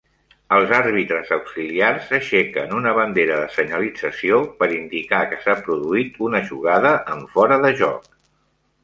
Els àrbitres auxiliars aixequen una bandera de senyalització per indicar que s'ha produït una jugada en fora de joc.